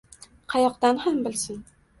Qayoqdan ham bilsin